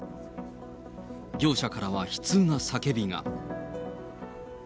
業者からは悲痛な叫びが。